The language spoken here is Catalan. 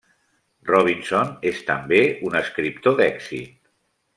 Robinson és també un escriptor d'èxit.